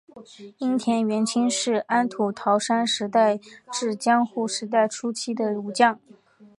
樱田元亲是安土桃山时代至江户时代初期的武将。